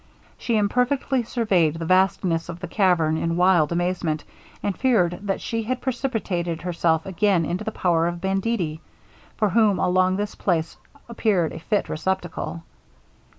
She imperfectly surveyed the vastness of the cavern in wild amazement, and feared that she had precipitated herself again into the power of banditti, for whom along this place appeared a fit receptacle.